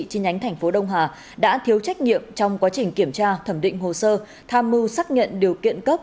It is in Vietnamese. chi nhánh tp đông hà đã thiếu trách nhiệm trong quá trình kiểm tra thẩm định hồ sơ tham mưu xác nhận điều kiện cấp